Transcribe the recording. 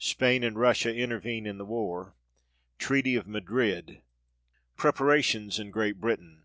Spain and Russia intervene in the war. Treaty of Madrid. Preparations in Great Britain.